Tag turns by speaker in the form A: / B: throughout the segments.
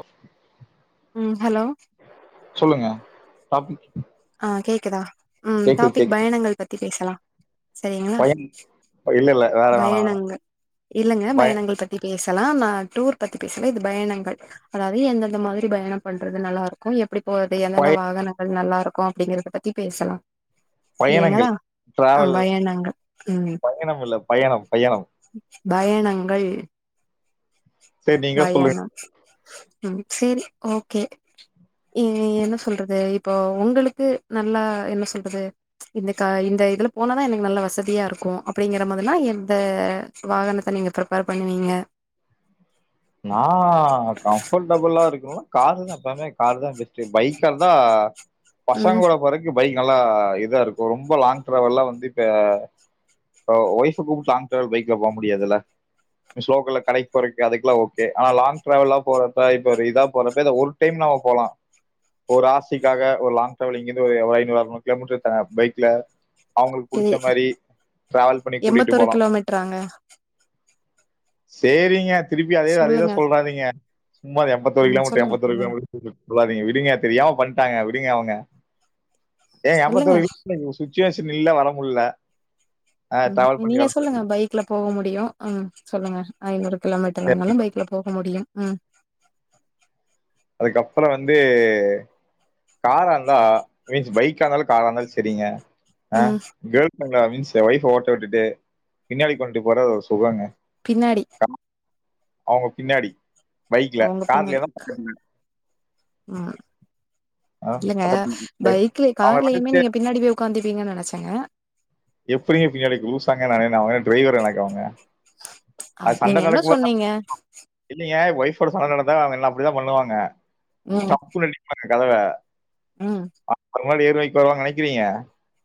A: ஒ
B: ம் ஹலோ
A: சொல்லுங்க டாபிக்
B: ஆ கேக்குதா ம்
A: கேக்குது
B: டாபிக்
A: கேக்குது
B: பயணங்கள் பத்தி பேசலா சேரிங்ளா
A: பயன் இல்ல இல்ல வேற வேணா வேணா
B: பயணங்கள் இல்லங்க
A: பய
B: பயணங்கள் பத்தி பே தலா நா டூர் பத்தி பேசுல இது பயணங்கள் அதாவ்து எந்தெந்த மாதுரி பயண பண்றது நல்லாருக்கு எப்டி போற்து எந்தெந்த
A: பய
B: வாகனங்கள் நல்லார் கு அப்டிங்கிறத பத்தி பேசலா
A: பயணங்கள்
B: சரிங்களா ஆ
A: ட்ரேவல்
B: பயணங்கள் ம்
A: பயணம் இல்ல பயண பய்யணவ்
B: பயணங்கள்
A: சரி நீங்க சொல்லுங்க
B: வயனொ ம் சேரி ஓகே இ என்ன சொல்றது இப்போ ஒங்களுக்கு நல்லா என்ன சொல்றது இந்த கா இந்த இதுல போனாதா எனக்கு நல்ல வசதியாருக்கு அப்புடிங்கற மதுனா எந்த வாகனத்த நீங்க ப்ருப்பேர் பண்ணுவீங்க
A: நா கம்ஃபள்டபுளா இருக்குனுனா காரு தா பமே காரு தா பெஸ்ட்டு பைக்கார்ந்தா பசங்
B: ம்
A: கூட போறக்கு பைக் நல்லா இதா இருக்கு ரொம்ப லாங் ட்ரேவல்லா வந்து இப்ப ஒ ஒய்ஃபு கூப்டு லாங் ட்ரேவல் பைக்ல போ முடியாதுல்ல மிஸ் ஸ்லோக்குல்ல கடைக் போறக்கே அதுக்லா ஓ கே ஆனா லங் ட்ரேவெல்லா போறப்ப இப்பர் இதா போறப்ப இந்த ஒரு டைம் நம்ம போலா ஒரு ஆசிக்காக ஒரு லாங் டிராவலிங் இங்கிந்து ஒரு ஐநூறு அறுநூறு கிலோமீட்ரு த பைக்ல அவுங்ளுக்கு
B: எ
A: புடிச்ச மாரி ட்ரேவல் பண்ணி கூட்டிட்டு போலா
B: கிலோமீட்டராங்க?
A: சேரிங்க திருப் பி அதேத அதேதா
B: சொல்லுங்க.
A: சொல்ராதீங்க சும்மா எம்பத்தொரு
B: ம்
A: கிலோமீட்ரு
B: சொல்லுங்க
A: எம்பத்தொரு
B: சொல்லுங்க.
A: கிலோமீட்ரு [inaudible] சொல்லாதீங்க விடுங்க தெரியாம பண்ணிட்டாங்க விடுங்க அவங்க டேய்
B: சொல்லுங்க.
A: அம்பத்தொரு சிச்சுவேஷன் இல்ல வரமுடில
B: ம் நீங்க சொல்லுங்க பைக்ல போக முடியும் முடியும் ம் சொல்லுங்க ஐநூறு கிலோமீட்டர் ஆனாலும் பைக்ல போக முடியும் ம்
A: அதுக்கப்பறம் வந்து கார ர்ருந்தா மீன்ஸ் பைக் ஆனாலு கார ருந்தாலும் செரிங்க ஆ
B: ம்
A: ங்களா மீன்ஸ் ஒய்ஃப ஓட்ட உட்டுட்டு பின்னாடி உக்காண்ட்டு போறது ஒரு சொகங்க
B: பின்னாடி
A: அவங்க பின்னாடி பைக்ல
B: அவங்க பின்னாடி.
A: கார்லேதான்
B: ம்
A: [unintelligible]
B: இல்லங்க பைக்ல
A: அவங்க
B: கார்லயுமே நீங்க பின்னாடி போய். உக்காந்திப்பீங்கனு நனைச்சங்க.
A: [unintelligible] [unintelligible]
B: அது
A: சண்ட
B: நீங்க என்ன சொன்னீங்க?
A: நடந்தா அவங்க என்ன அப்டிதான் பண்ணுவாங்க.
B: ம்
A: ச்சப்புனு அடிப்பாங்க. கதவ.
B: ம்.
A: முன்னாடி ஏறுவாய்க்கு வருவாங்க நனைக்கிறீங்க.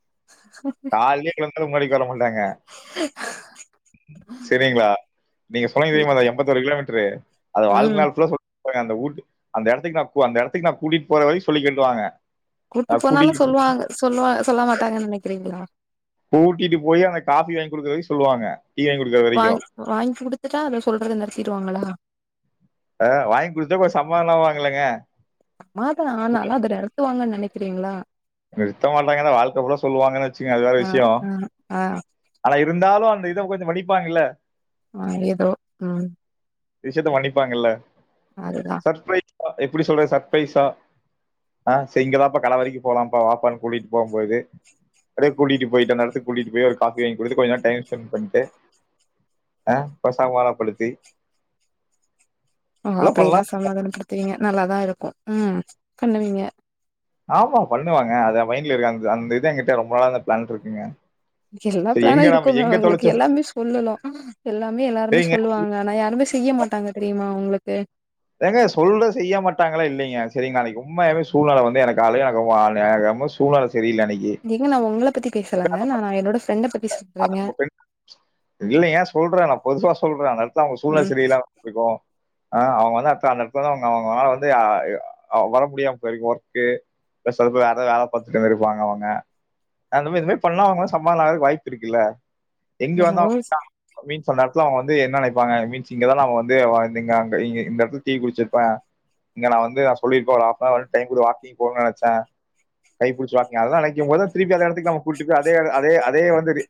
B: [inaudible]
A: கால்லயே கெளம். [unintelligible] தாங்க செரிங்ளா நீங்க சொன்னிங்க
B: இ
A: தெரியுமா தா எம்பத்தொரு கிலோமீட். ரு. அது வாழ்க
B: ம்
A: நாள் புல்லா சொல். அந்தஊட்டு அந்த எடத்துக்கு நா பு அந்த எடத்துக்கு நான் கூட்டிட்டு போறவரயும் சொல்லிகேட்டுவாங்க.
B: கூட்டுப்போனாலும் சொல்லுவாங்க சொல்லுவா சொல்ல மாட்டாங்கனு நனைக்கிறீங்ளா.
A: கூட்டீட்டு போயி அங்கக்காஃபி வாங்கி குடுக்குறதுவரியும் சொல்லுவாங்க. டீ வாங்கி கொடுக்குற
B: வாங்
A: வரைக்கும்
B: வாங்கி குடுத்துட்டா அத சொல்றத நிறுத்தீருவாங்களா.
A: அஹ்ன் வாங்கி குடுத்துட்டா கொஞ்சம் சமாதனமாவாங்கில்லங்க.
B: சமாதம் ஆனாலும் அது நெரந். ந்து வாங்கன்னு நனக்கிறீங்ளா.
A: நிறுத்த மாட்டாங்கதா வாழ்க்க புல்லா சொல்லுவாங்கனு வச்சுங்க அது வேற
B: ஆ
A: விஷியம்
B: ஆ ஆ
A: ஆனா இருந்தாலும் அந். த இத கொஞ்சம் மதிப்பாங்கில்ல.
B: ஏ எதோ ம்.
A: விஷியத்த மன்னிபாங்கில்ல.
B: அதுதா.
A: எப்டி சொல்றது சர்ப்ரைஸா ஆ சிங்கிலாப்ப கடவரைக்கும். போலாம்பா வாப்பானு கூட்டிட்டு போம்போது அடேகூட்டிட்டு போய்ட்டு அந்த எடத்துக் கூட்டிட்டு போய் ஒரு காஃபி வாங்கி குடுத்து கொஞ்சம் நேரம் டைம் ஸ்பெண்பண்ட்டு ஆ அப்றம் சமாதனப்படுத்தி.
B: ம் அப்டி எல்லா சமாதானப்படுத்துவீங்க நல்லாதா இருக் கு, ம் பண்ணுவிங்க.
A: ஆமா பண்ணுவாங்க அத மைன்ட்ல இருக்கு அந் அந்த இது எங்கிட்ட ரொம்ப நாளா அந்த பிளான் இருக்குங்க.
B: எல்லா
A: சரி
B: பிளானு
A: எங்க நம்ம
B: இருக்குங்க
A: எங்க
B: உங்ளுக்கு
A: தொலைச்சோம்
B: எல்லாமே சொல்லலா எல்லாமே எல்லாருமே
A: ஏங்க
B: சொல்லுவாங்க ஆனா யாருமே செய்ய மாட்டாங்க தெரியுமா உங்களுக் சே
A: ஏங்க சொல்ற செய்ய மாட்டாங்களா இல்லைங்க செரிங்ளா அன்னைக் உண்மையாவே சூழ்நெல வந்து எனக்கு அழுகாகவு அல் எனக்கு ரொம்ப சூழ்நெல
B: ஏங்க நா ஒங்கள பத்தி பேசலங்க நா நா என்னோட ஃப்ரண்ட பத்
A: [inaudible] இல்லங்க சொல்ற நா பொதுவா சொல்ற [unintelligible] த அவ்ங்க சூழ்நில
B: ம்
A: சரில்லாம இருக்கு ஆ அவ்ங்க வந்து அத்த அந்த எடத்லதா அவ்ங்க அவ்ங்லா வந்து ஆ எ அ வர முடியாம போயிருக்கு ஒர்க்கு ப்ரஷரு அதா வேல பாத்துட்டே இருப்பாங்க அவங்க அந்த மே இந்த மே பண்லா அவங்க சமாதானொ ஆக வாய்ப் பிருக்குல எங்க வந்தா
B: என்னவோ
A: [inaudible] ஸோ அந்த எடத்ல அவ்ங்க வந்து என்ன நைப்பாங்க மீன்ஸ் இங்கதா நம்ம வந்து ஒ இந் இங்க அங்க இங்க இந்த எடத்ல டீ குடிச்சிர்ப்பே இங்க நா வந்து அ சொல்லிருக்கோ ஒரு ஆஃப்னவராவ்து டைம் குட வாக்கிங் போணு நெனச்ச கைப்புடிச்சு வாக்கிங் அதெல்லா நெனைக்கும் போது திருப்பி அந்த எடத் துக்கு நம்ம கூட்டுப் போய் அதே எட் அதே அ தே வந்து து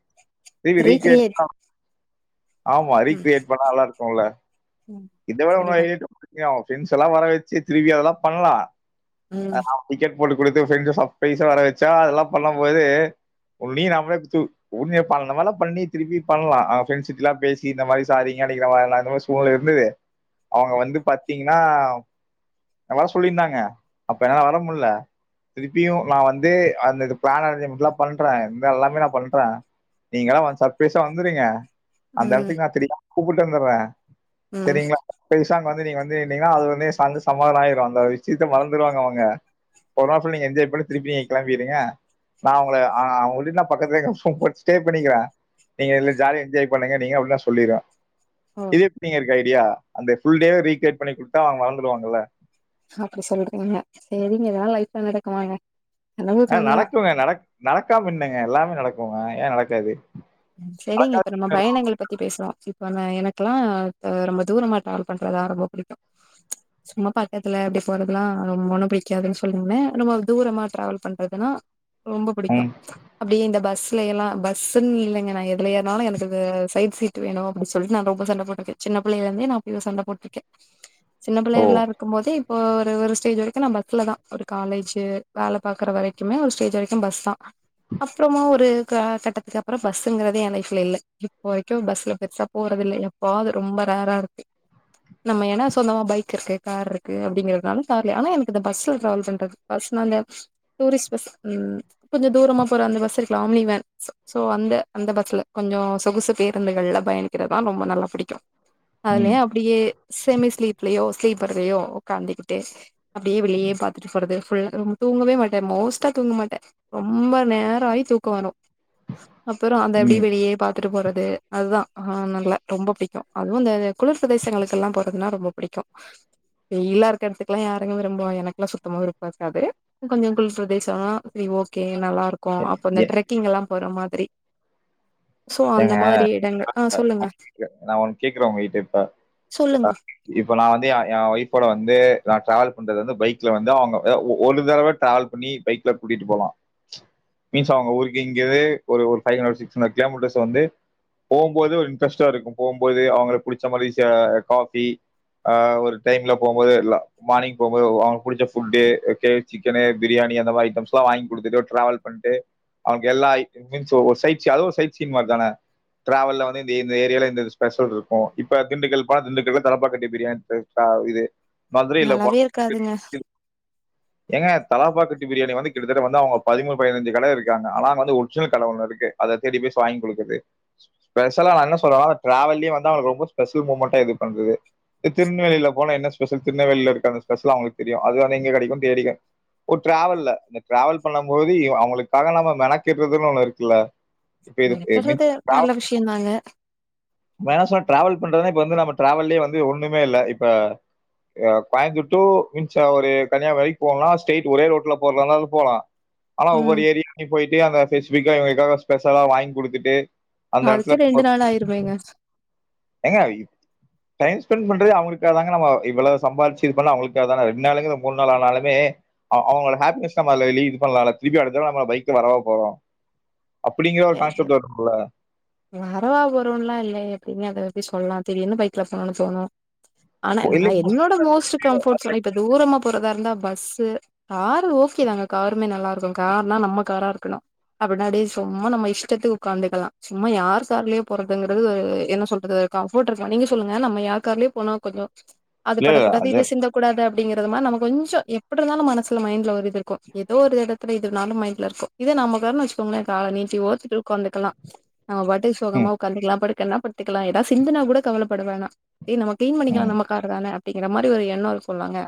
A: திரும்பி ரீ க்ரியேட் [inaudible]
B: ரீக்ரியேட்
A: ஆமா ரீ
B: ம்
A: க்ரியேட் பண்ணா நல்லாருக் குல்ல
B: ம்
A: இத விட இன்னு
B: சரிதா
A: ஐடியா இருக்குங்க ஃப்ரெண்ட்ஸ் எல்லா வர வச்சு திருப்பி அதெல்லா பண்ணலா அ
B: ம்
A: [inaudible] போட்டு குடுத்து ஃபிரெண்ட்ஸ சர்ப்ரைஸா வர வச்சா அதெல்லா பண்ணும் போது ஒன் நீ நம்பளே தூ உண்மையே இப்ப அந்த மாரிலா பண்ணி திருப்பி பண்லா அவ ஃப்ரெண்ட்கிட்டலா பேசி இந்த மாரி சாரீங்க அன்னக்கி நா வரல அந்த மாரி சூழ்நில இருந்துது அவங்க வந்து பாத்தீங்கன்னா வர சொல்லியிருந்தாங்க அப்ப என்னால வர முடில திருப்பியு நா வந்து அந்த இது பிளான் அரேஞ்ச்மெண்ட்லா பண்ற இது எல்லாமே நா பண்றே நீங்க எல்லா வ சர்ப்பிரைஸா வந்துருங்க அந்த
B: ம்
A: எடத்துக்கு நா தி கூப்புட்டு வந்துட்ற
B: ம்
A: சேரிங்களா ஃபிரெண்ட்ஸா வந்து நீங்க வந்து நின்னீங்கனா அது வந்து சந் சமாதனம் ஆயிரு அந்த விஷயத்த மறந்துடுவாங்க அவங்க ஒருநாள் ஃபுள் நீங்க என்ஜாய் பண்ட்டு திருப்பி கிளம்பிடுங்க நா அவங்கள ஆ அவங்கள்ட்டயு நா பக்கத்துலே சும்மா ஸ்டே பண்ணிக்கிறா நீங்க இதுல ஜாலியா என்ஜாய் பண்ணுங்க நீங்க அப்டின்னு நா சொல்லிடுவே
B: ஓ
A: இது எப்டிங்க இருக்கு ஐ டியா அந்த ஃபுள் டேவ ரீகிரேட் பண்ணி குடுத்தா அவங்க மறந்துடுவாங்கல்ல வளந்துருவாங்கல்ல
B: அப்படி சொல்றீங்க சேரிங்க இதெல்லா லைஃப்ல நடக்குமாங்க கனவு
A: ஆ
B: கனதா
A: நடக்குங்க நட நடக்காம என்னங்க எல்லாமே நடக் ஓ வாயே நடக்காது
B: செரிங்க இப்ப
A: நடக்காது
B: நம்ம பயணங்கள் பத்தி பேசுறோ எனக்குல்லா ரொம்ப தூரமா டிராவல் பண்றதுதா ரொம்ப புடிக்கும் சும்மா பக்கதுல எப்டி போறதுல்லா ரொம்ப ஒண்ணு புடிக்காதுன்னு சொல்லீங்கன்ன ரொம்ப தூரமா டிராவல் பண்றதுன்னா ரொம்ப புடிக்கும்
A: ம்
B: அப்டியே இந்த பஸ் ல்ல எல்லா பஸ்ன்னு இல்லங் ங்க நா எதுலயேருனாலு எனக்கு சைட் சீ்ட் வேணு அப்புடி சொல்லிட்டு நா ரொம்ப சண்டை போட்ருக்கே சின்ன புள்ளையில இருந்தே நா போய் சண்டை போட்ருக்கே சின்ன
A: ஓ
B: புள்ளைகள்லா இருக்கும் போதே ஒ ஒரு ஒரு ஸ்டேஜ் வரைக்கு நா பஸ்லதா ஒரு காலேஜு வேல பாக்கற வரைக்குமே ஒரு ஸ்டேஜ் வரைக்கு பஸ்தா அப்றமா ஒரு க கட்டத்துக்கு அப்பறோ பஸ்ங்குறதே எ லைஃப்ல இல்ல இப்ப வரைக்கு பஸ்ல பெருசா போறது இல்ல எப்பவாது ரொம்ப ரேரா இருக்கு நம்ம ஏன்னா சொந்தமா பைக் இருக்கு கார் இருக்கு அப்டிங்கிறதுனால கார்ல ஆனா எனக்கு இந்த பஸ்ல டிராவல் பண்றது பஸ்னா அந்த டூரிஸ்ட் பஸ் ம் கொஞ்சோ தூரமா போற அந்த பஸ் இருக்குல்ல ஆம்னி ஃவேன் சோ இந்த அந்த பஸ்ல கொஞ்சோ சொகுசு பேருந்துகள்ல பயணிக்கிறதுதா ரொம்ப நல்லா புடிக்கும்
A: ம்
B: அதுலயே அப்டியே செமி ஸ்லீப்லயோ ஸ்லீப்பர்லயோ ஒக்காண்டிக்கிட்டு அப்டியே வெளியே பாத்துட்டு போறது ஃபுல்லா ரூம்மு தூங்கவே மாட்டே மோஸ்ட்டா தூங்க மாட்டே ரொம்ப நேரோ ஆயி தூக்கோ வரு அப்பறோ அந்த இப்டி
A: ம்
B: வெளியயே பாத்துட்டு போறது அதுதா ஆ நல்லா ரொம்ப பிடி அதுவு அந்த குளிர் பிரதேசங்களுகெல்லா போறதுன்னா ரொம்ப புடிக்கு வெயிலா இருக்க எடத்துக்குல்லா யாருங்க விரும்புவா எனக்குல்லா சுத்தமா விருப்போ இருக்காது கொஞ்சோ குளிர் பிரதேசோனா வி ஓகே நல்லா இருக்கோ அப்ப இந்த
A: ஏ-
B: ட்ரெக்கிங் எல்லா போற மாரி
A: ஏங்க
B: மாதிரி இடங்கள் ஆ சொல்லுங்க
A: [inaudible] நா ஒன்னு கேக்குறே உங்ககிட்ட இப்ப
B: சொல்லுங்க
A: [inaudible] இப்ப நா வந்து எ எ ஒய்ஃபோட வந்து நா ட்ராவல் கொண்டது அந்த பைக்ல வந்து அவுங்க எ ஒ ஒலு தடவ ட்ராவல் பண்ணி பைக்ல கூட்டிட்டு போவோ பீன்ஸ் அவுங்க ஊருக்கே இங்கே ஒரு ஒரு five hundred to six hundred kilometres so வந்து போம்போது ஒரு இன்ட்ரஸ்டா இருக்கோ போம்போது அவுங்களுக் புடிச்ச மாரி சே காபி ஆ ஒரு டைம்ல போம்போதுல்லா மார்னிங் போம்போது ஒ அவுங்களுக் புடிச்ச ஃபுட்டு கே ஒய் சிக்கனு பிரியாணி அந்த மாரி ஐட்டம்ஸ்ல வாங்கி குடுத்துட்டு ஒரு ட்ராவல் பண்ட்டு அவுங்க எல்லா [inaudible] சோ ஒரு சைட் சி அதுவோ சைட் [unintelligible] தான ட்ராவல்ல வந்து இந்த இந்த ஏரியால இந்த ஸ்பெஷல் இருக்கோ இப்ப திண்டுக்கல் ப திண்டுக்கலு தலப்பாக்கட்டி பிரியாணி கு தா இது மதுரையில போனா
B: நல்லாவே
A: [inaudible]
B: இருக்காதுங்க
A: ஏங்க தலாப்பாகட்டி பிரியாணி வந்து கிட்டத்தட்ட வந்து அவுங்க பதிமூனு பதினச்சு கட இருக்காங்க ஆனா அங்க வந்து ஒரிஜினல் கட ஒன்னு இருக்கு அத தேடி போய் வாங்கி குடுக்குர்து ஸ்பெஷலா நா என்ன சொல்றேனா அந்த டிராவல்லயே வந்து அவளுக்கு ரொம்ப ஸ்பெஷல் மூமெண்ட்டா இது பண்றது இ திருநெல்வேலில போன என்ன ஸ்பெஷல் திருநெல்வேலியில இருக்க அந்த ஸ்பெஷல் அவுங்களுக்கு தெரியும் அது தான இங்கு கெடைக்குனு தேடிக்க ஒரு டிராவல்ல இந்த டிராவல் பண்ணும் போது இவ அவுளுக்காக நம்ம மெனக்கிடுறதுன்னு ஒன்னு இருக்குல்ல இப்ப இது
B: மெனக்கட்றது நல்ல விஷய தாங்க
A: [unintelligible] ட்ராவல் பண்றதுனா இப்ப வந்து நம்ம ட்ராவல்லையே வந்து ஒன்னுமே இல்ல இப்ப ஆ கோயம்புட்டூ மின்சா ஒரு கன்னியாகுமரி வரைக் போலனா ஸ்ட்டைட் ஒரே ரோட்ல போறதந்தாலு போலா ஆனா ஒவ்வொரு
B: ம்
A: ஏரி நீ போயிட் டே அந்த ஸ்பேசிஃபிகா இவங்களுக்காக ஸ்பெஷலா வாங்கி குடுத்துட்டு
B: அதுக்கே ரெண்டு நாள் ஆயிருமேங்க
A: ஏங்க இ டைம் ஸ்பெண்ட் பண்றதே அவுங்களுக்காக தாங்க நம்மோ இவ்ளோ சம்பார்ச்சு இது பண்ண அவுங்களுக்காக தான ரெண்டு நாளுங்குறத மூன் நாள் ஆனாலுமே அ அவுங்கள ஹாப்பினஸ் [unintelligible] இது பண்லால திருப்பியு அடுத்த நம்ம பைக்கு வரவா போறோ
B: எ ஏ வரவா வருன்ல இல் ல எப்டிங்க அத அவர் போயி சொல்லா திடீர்னு பைக்ல [unintelligible] தோணோ ஆனா
A: இப்போ
B: நா
A: இல்லைங்க
B: என்னோட மோஸ்ட் கம்ஃபோர்ட் ஜோனே இப்ப தூரமா போர ருந்தா பஸ்சு காரு ஓகே தாங்க காருமே நல்லா இருக்கோ கார்னா நம்ம காரா இருக்கணோ அப்பனாதே சு ம்மா நம்ம இஷ்டத்துக் உக்காந்துக்கலா சும்மா யார் கார்லயோ போறதுங்கறது எ என்ன சொல்றது கம்ஃபோர்ட் இருக்கா நீங்க சொல்லுங்க நம்ம யார் கார்லயோ போனா கொஞ்சோ அது
A: இல்ல
B: படக்
A: இல்ல,
B: கூடாது
A: அது
B: இது சிந்தக் கூடாது அப் டிங்கிறது மாரி நம்ம கொஞ்சோ எப்டிருந்தாலோ மனசுல மைண்ட்ல ஒரு இது இருக்கோ ஏதோ ஒரு எடத்துல இதுனாலோ மைண்ட்ல இருக்கோ இதே நம்ம கார்னு வெச்சுக்கோங்களே கால நீட்டி ஓத்துக்களு உக்காந்துக்கலா நம்ம பாட்டுக்கு சொகமா
A: ம்,
B: உக்காந்துக்கலா படுக்கன்னா பத்துக்கலா ஏதா சிந்துனா கூட கவலப்படவேணா ஏ நம்ம கிளீன் பண்ணிக்கலா
A: ம்.
B: நம்ம கார் தானே அப்டிங்கற மாரி ஒரு எண்ணோ இருக்கோளாங்க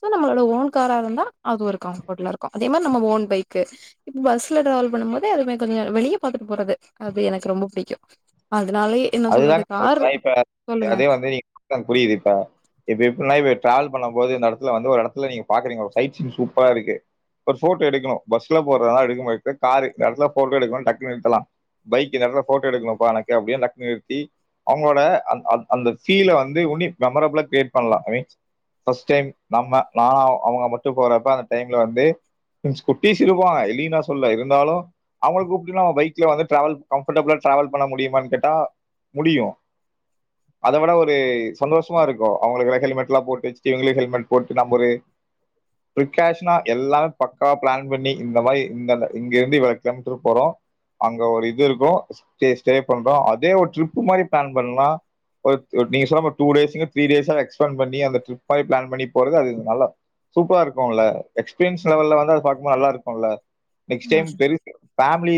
B: சோ நம்மளோட ஓன் காரா இருந்தா அது ஒரு கம்ஃபோர்ட்ல இருக்கோ அதே மாரி நம்ம ஓன் பைக்கு இப்ப பஸ்ல ட்ராவல் பண்ணு போது ல அதுமே கொஞ்சோ வெளிய பாத்துட்டு போறது அது எனக்கு ரொம்ப பிடிக்கு அ
A: அது தாங்க சொல்றே இப்ப
B: சொல்லுங்க
A: அதே வந்து [inaudible] புரியுது இப்ப இப்ப [unintelligible] ட்ராவல் பண்ண போது இந்த எடத்துல வந்து ஒரு எடத்துல நீங்க பாக்கறீங்க ஒரு சைட் சீன் சூப்பரா இருக்கு ஒரு போட்டோ எடுக்கணோ பஸ்ல போற்தா இருந்தா எடுக்க [unintelligible] காரு இந்த எடத்துல போட்டோ எடுக்கணுனு டக்குனு நிறுத்தலா பைக்கு இந்த எடத்துல போட்டோ எடுக்கணுப எனக்கு அப்டின் நிற்த்தி அவுங்களோட அந் அத் அந்த ஃபீல்ல வந்து உன்யு மெமரப்ளா கிரியேட் பண்லா ஐ மீன்ஸ் ஃபர்ஸ்ட் டைம் நம்ம நா அவுங்க மட்டோ போறப்ப அந்த டைம்ல வந்து [unintelligible] குட்டீஸ் இருப்பாங்க இல்லீ நா சொல்ல இருந்தாலோ அவுங்கள கூப்டுன்ல பைக்ல வந்து ட்ராவல் கம்ஃபர்ட்டபிள்ளா ட்ராவல் பண்ண முடியுமானு கேட்டா முடியு அத விட ஒரு சந்தோஷ்மா இருக்கோ அவுங்களக்களா ஹெல்மெட்லா போட்டு [unintelligible] இவுங்களுக்கு ஹெல்மெட் போட்டு நம்ம ஒரு பிரிகாஷ்னா எல்லாமே பக்காவா பிளான் பண்ணி இந்த மாரி இந்தந்த இங்கேர்ந்து இவ்வள கிலோ மீட்டர் போறோ அங்க ஒரு இது இருக்கோ ஸ்டே ஸ்டே பண்றோ அதே ஓ ட்ரிப்பு மாரி பிளான் பண்லா ஒரு ஒ நீங்க சொன்ன மாரி டூ டேஸ்ங்க த்ரீ டேஸா எக்ஸ்டேன் பண்ணி அந்த ட்ரிப் மாரி பிளான் பண்ணி போறது அது நல்லா சூப்பரா இருக்கோல எஸ்பீரியன்ஸ் லெவல்ல வந்து அத பாக்கும் போது நல்லா இருக்கோல நெக்ஸ்ட் டைம்
B: ம்
A: பெருசு ஃபேம்லி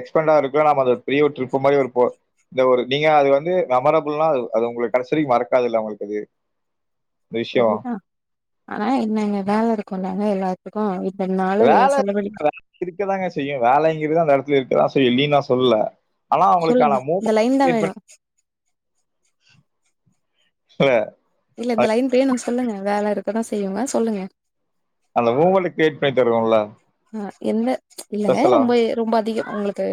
A: எக்ஸ்பெண்டா ஆ ருக்கு நாம அந்த ஒரு பெரிய ட்ரிப்பு மாரி போ நீங்க ஒரு நீங்க அது வந்து மெமரபுள்னா அது அது உங்ளுக் கடசிவரிக்கு மறக்காதுல்ல உங்ளுக்கு அது இந்த விஷயோ
B: செரிதான் ஆனா என்னங்க வேல ருக்கும்ல என்ன எல்லாத்துக்கு வித்
A: வேல [inaudible] இருக்கதாங்க செய்யு வேலங்கிறது அந்த எடத் இருக்கதா செய்யு இல்லீன் நா சொல்ல ஆனா
B: சொல்லுங்க
A: அவ்ங்ளுக்கான
B: இந்த லைன் தா வேணு
A: [inaudible] அ
B: இல்ல இந்த லைன் பேனுன் சொல்லுங்க வேல இருக் ப்பதா செய்யுங்க சொல்லுங்க
A: அந்த மூவ்மெண்ட் கிரீயேட் பண்ணி தருவோல
B: ஆ என்ன இல்லங்க ரொம்ப ரொம்ப அதிக உங்களுக்கு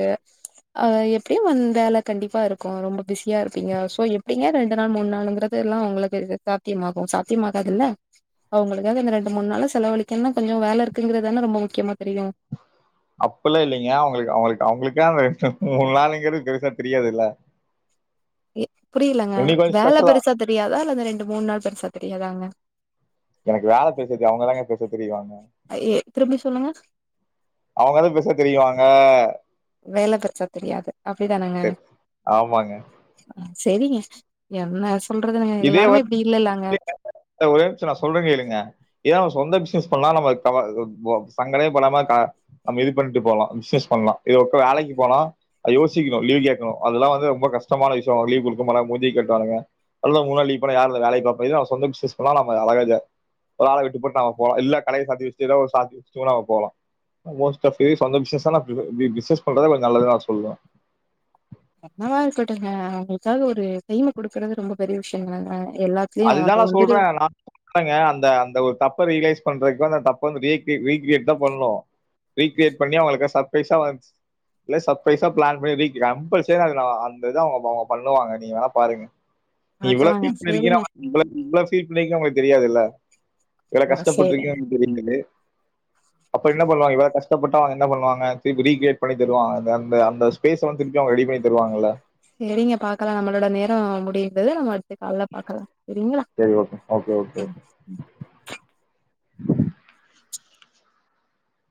B: அ எப்டியு வந் வேல கண்டிப்பாருக்கும் ரொம்ப பிஸியாருப்பீங்க சோ எப்டிங்க ரெண்டு நாள் மூணு நாளுங்றது எல்லாம் உங்ளுக்கு சாத்தியமாகும் சாத்யமாகாதுல அவுங்ளுக்காக இந்த ரெண்டு மூணு நாள செலவலிக்ணுனா கொஞ்சோ வேலருக்குங்றதுதானே ரொம்ப மு முக்கியமா தெரியு
A: அப்பில்லா இல்லெங்க அவுங்ளுக் அவுங்ளுக் அவுங்ளுக்கே அந்த ரெண்டு மூணு நாளுங்றது பெருசா தெரியாதுல்ல
B: எ புரிலங்க
A: இன்னைக்கு கொஞ்சம்
B: வேல
A: ஸ்பெஷலா.
B: பெருசா தெரியாதா இல்ல அந்த ரெண்டு மூணு நாள் பெருசா தெரியாதாங்க எ திரும்பி சொல்லுங்க
A: அவ்ங்கதா பெருசா தெரிவாங்க அ
B: வேல பெருசா தெரியாது அப்டிதானங்க
A: சரி, ஆமாங்க.
B: செரிங்க என்னஸ்
A: இதே வந் [inaudible] ஒரே நிம்ஷம் நா சொல்றேங் கேளுங்க ஏன்னா நம்ம சொந்த பிஸ்னஸ் பண்ணா நம்ம கவ சங்டமே படாம த நம்ம இது பண்ட்டு போலா பிஸ்னஸ் பண்லா இத உட்டு வேலைக் போனா யோசிக்ணு லீவ் கேக்ணு அதெல்லா வந்து ரொம்ப கஷ்டமான விஷ்யம் லீவ் குடுக்க மாட்டாங் மூஞ்சிய கட்டுவானுங்க அல்ல முணுநாள் லீவ் போன யார்ல வேலய பாப்ப இதுவே நம் சொந்த பிஸ்னஸ் பண்ணா நம்ம அழகா இத ஒரு ஆள விட்டுபுட் நம்ம போலா இல்ல கடய சாத்தி வெச்சிட்டு ஏதோ ஒரு சாக் வெச்சிடோ நாம போலா மோஸ்ட் ஆஃப் க்ரீஸ் அந்த பிஸ்னஸ் ந பி பிஸ்னஸ் பண்றத நல்லத் நா சொல்வ
B: என்னாவா இருக்கட்டுங்க அவ்ங்ளுக்காக ஒரு பெயின குடுக்றது ரொம்ப பெரிய விஷ்யம் தாங்க
A: அதுதாங்க சொல்றே நா [inaudible] க அந்த அந்த ஒரு தப்ப ரிய்லைஸ் பண்றதுக்கு நா தப்பா ரீக் ரீக்ரியேட் தா பண்ணோ ரீக்ரியட் பண்ணி அவங்ளுக் சர்ப்ரைஸா வந் இல்லே சர்ப்ரைஸா பிளான் பண்ணி ரீ கம்பல்சரி அதுல அந்த இது அவங்க அவங்க பண்ணுவாங்க நீங்க வேணா பாருங்க இவ்ளக்கு
B: பாக்கலாங்க
A: இப் [unintelligible]
B: சேரிங்க
A: ல்லா ஃபீல் பண்ணிக்லாம் அவ்ங்ளுக் தெரியாதுல்ல எவ்ளோ
B: சேரி
A: கஷ்டப்பட்ருக்கேன் புரிந்தது அப்ரோ என்ன பண்வாங்க இவ்வளவு கஷ்டப்பட்டா அவ்ங்க என்ன பண்வாங்க திருப்பி ரீக்ரியேட் பண்ணி தருவாங்க அந்த அந்த அந்த ஸ்பேஸ்ஸ வந்து திருப்பி அவுங்க ரெடி பண்ணி தருவாங்கல்ல
B: செரிங்க பாக்லாம் நம்ளோட நேரம் முடியுது து நம்ம அடுத்து கால்ல பாக்லாம்
A: செரி ஓகே ஓக்கே ஓக்கே